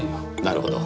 なるほど。